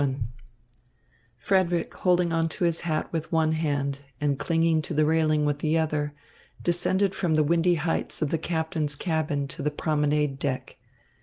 XXI Frederick, holding on to his hat with one hand and clinging to the railing with the other, descended from the windy heights of the captain's cabin to the promenade deck.